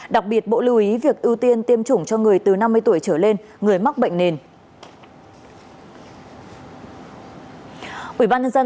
đặc biệt bộ lưu ý việc ưu tiên tiêm chủng cho người từ năm mươi tuổi trở lên người mắc bệnh nền